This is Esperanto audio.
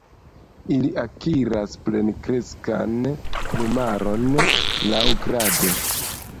Ili akiras plenkreskan plumaron laŭgrade.